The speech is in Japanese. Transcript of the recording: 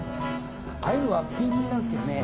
ああいうのはピンキリなんですけどねぇ。